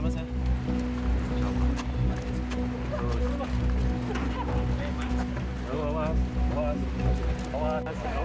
beres ya ardhita mau direhab